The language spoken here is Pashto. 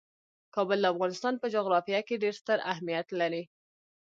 کابل د افغانستان په جغرافیه کې ډیر ستر اهمیت لري.